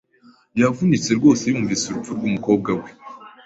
Yavunitse rwose yumvise urupfu rwumukobwa we.